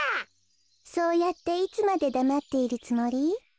そうやっていつまでだまっているつもり？